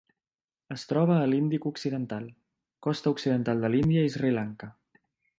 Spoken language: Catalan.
Es troba a l'Índic occidental: costa occidental de l'Índia i Sri Lanka.